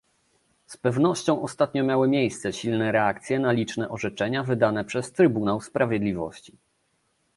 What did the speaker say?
Z pewnością ostatnio miały miejsce silne reakcje na liczne orzeczenia wydane przez Trybunał Sprawiedliwości